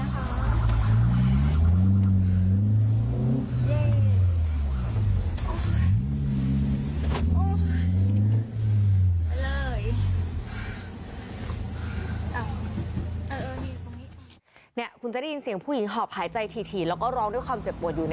อย่าก็เลยคุณจะได้เสียงผู้หญิงหอบหายใจที่แล้วก็ร้องด้วยความเจ็บร๒๐๒๓